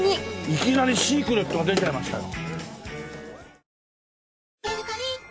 いきなりシークレットが出ちゃいましたよ。